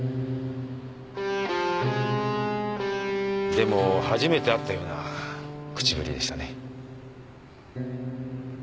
でも初めて会ったような口ぶりでしたね？